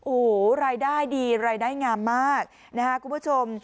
โอ้โหรายได้ดีรายได้งามมากนะคะคุณผู้ชม